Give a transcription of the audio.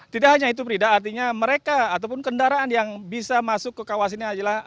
tidak hanya itu brida artinya mereka ataupun kendaraan yang bisa masuk ke kawasan ini adalah